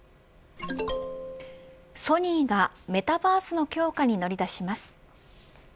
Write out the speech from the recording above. ソニーがメタバースの強化に乗り出します。